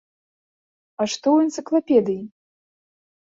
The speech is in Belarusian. А што ў энцыклапедыі?